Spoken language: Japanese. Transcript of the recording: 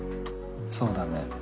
そうだね。